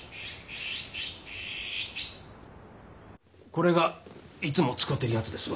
これがいつも使てるやつですわ。